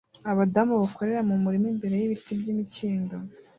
Abadamu bakorera mu murima imbere y'ibiti by'imikindo